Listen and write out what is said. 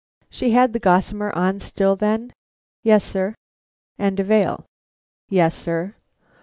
"She had the gossamer on still, then?" "Yes, sir." "And a veil?" "Yes, sir."